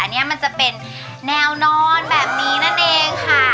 อันนี้มันจะเป็นแนวนอนแบบนี้นั่นเองค่ะ